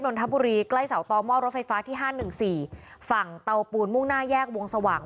นนทบุรีใกล้เสาต่อหม้อรถไฟฟ้าที่ห้าหนึ่งสี่ฝั่งเตาปูนมุ่งหน้าแยกวงสว่าง